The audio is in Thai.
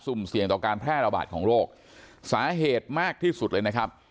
เสี่ยงต่อการแพร่ระบาดของโรคสาเหตุมากที่สุดเลยนะครับ